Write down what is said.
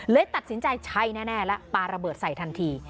เลยตัดสินใจใช้แน่แล้วปลาระเบิดใส่ทันที